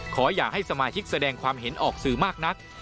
อย่าให้สมาชิกแสดงความเห็นออกสื่อมากนัก